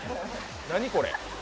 何これ。